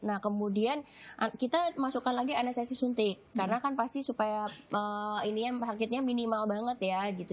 nah kemudian kita masukkan lagi anessi suntik karena kan pasti supaya ini targetnya minimal banget ya gitu